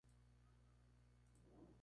Su color es entre marrón y negro.